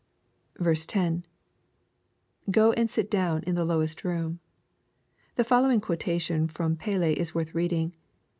10. — [Go and sit down in the lowest room.] The following quotation from Paley is worth reading.